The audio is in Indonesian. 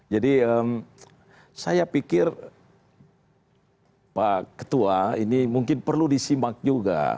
jadi saya pikir pak ketua ini mungkin perlu disimbang juga